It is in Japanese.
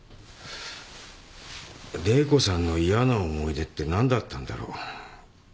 玲子さんの嫌な思い出って何だったんだろう？